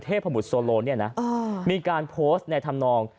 พบุตรโซโลเนี่ยนะมีการโพสต์ในธรรมนอง